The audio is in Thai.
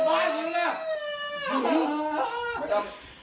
โอ้โฮ